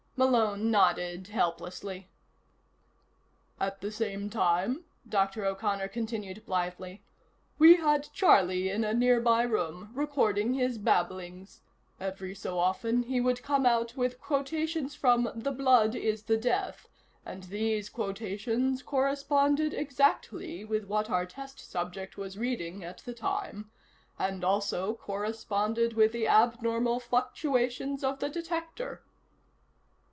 Malone nodded helplessly. "At the same time," Dr. O'Connor continued blithely, "we had Charlie in a nearby room, recording his babblings. Every so often, he would come out with quotations from The Blood is the Death, and these quotations corresponded exactly with what our test subject was reading at the time, and also corresponded with the abnormal fluctuations of the detector."